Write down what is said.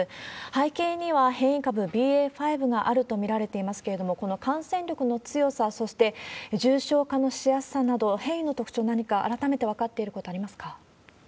背景には変異株ＢＡ．５があると見られていますけれども、この感染力の強さ、そして重症化のしやすさなど、変異の特徴、何か改めて分かっていることありますか？